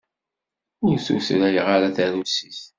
Ur tutlayeɣ ara tarusit.